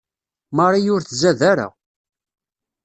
Marie ur tzad ara.